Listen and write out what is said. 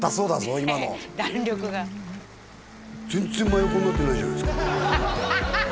今のねえ弾力が全然真横になってないじゃないですか